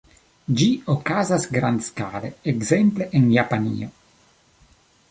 Ĝi okazas grandskale, ekzemple en Japanio.